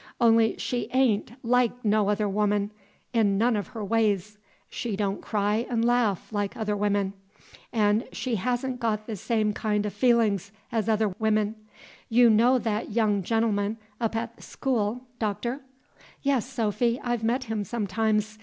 On'y she a'n't like no other woman in none of her ways. She don't cry 'n' laugh like other women. An' she ha'n' got the same kind o' feelin's as other women. Do you know that young gen'l'm'n up at the school, Doctor?" "Yes, Sophy, I've met him sometimes.